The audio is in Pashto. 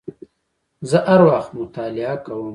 زه هر وخت مطالعه کوم